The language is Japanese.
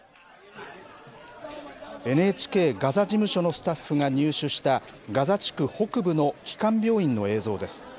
ＮＨＫガザ事務所のスタッフが入手した、ガザ地区北部の基幹病院の映像です。